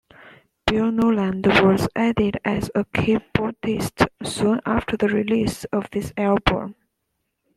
Bill Noland was added as a keyboardist soon after the release of this album.